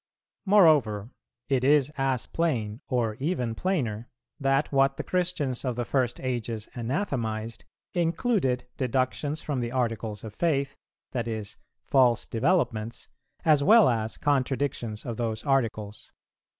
Moreover, it is as plain, or even plainer, that what the Christians of the first ages anathematized, included deductions from the Articles of Faith, that is, false developments, as well as contradictions of those Articles.